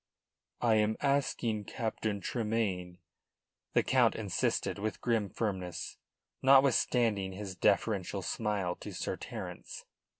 "I am asking Captain Tremayne," the Count insisted, with grim firmness, notwithstanding his deferential smile to Sir Terence.